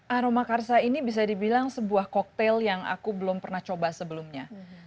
aroma karsa ini bisa dibilang sebuah koktel yang aku belum pernah coba sebelumnya